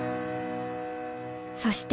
そして。